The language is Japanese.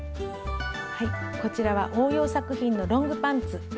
こちらは応用作品のロングパンツ。